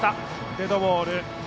デッドボール。